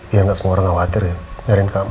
iya gak semua orang khawatir ya nyariin kamu